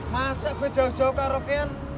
masa gue jauh jauh karaokean